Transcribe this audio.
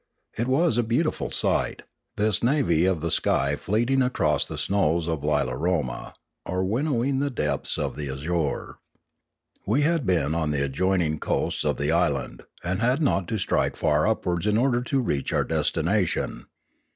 It was a beautiful sight, this navy of the sky fleeting across the snows of Lilaroma, or winnowing the depths of the azure. We had been on the adjoining coast of the island, and had not to strike far upwards in order to reach our destination.